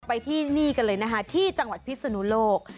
ไปที่นี่กันเลยนะคะที่จังหวัดพิศนุโลก